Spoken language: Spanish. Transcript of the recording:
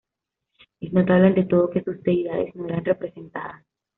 Es notable, ante todo, que sus deidades no eran representadas.